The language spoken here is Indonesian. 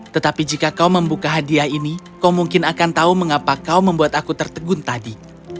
tetapi jika kau membuka hadiah ini kau mungkin akan tahu mengapa kau membuat aku tertegun tadi